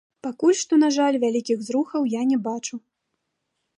Пакуль што, на жаль, вялікіх зрухаў я не бачу.